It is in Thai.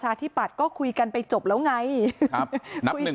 เจรจากระทรวงเหมือนกับเพิ่งเริ่มต้นนับหนึ่ง